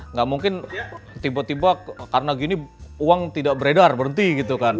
nggak mungkin tiba tiba karena gini uang tidak beredar berhenti gitu kan